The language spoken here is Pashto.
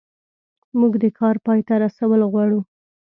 موږ د کار پای ته رسول غواړو.